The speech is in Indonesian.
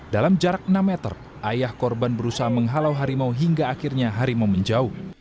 dalam jarak enam meter ayah korban berusaha menghalau harimau hingga akhirnya harimau menjauh